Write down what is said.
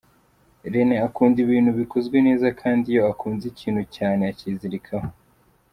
René akunda ibintu bikozwe neza kandi iyo akunze ikintu cyane acyizirikaho.